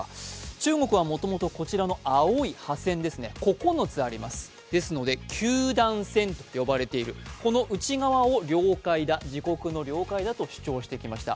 中国はもともとこの青い線、９つあります、ですので九段線と呼ばれている、この内側を自国の領海だと主張してきました。